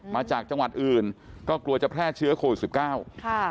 มาจากจังหวัดอื่นก็กลัวจะแพร่เชื้อโควิดสิบเก้าค่ะ